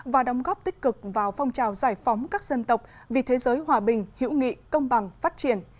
và đóng góp tích cực vào phong trào giải phóng các dân tộc vì thế giới hòa bình hữu nghị công bằng phát triển